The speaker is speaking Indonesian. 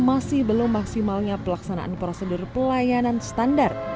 masih belum maksimalnya pelaksanaan prosedur pelayanan standar